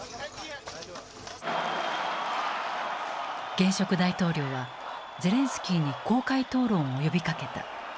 現職大統領はゼレンスキーに公開討論を呼びかけた。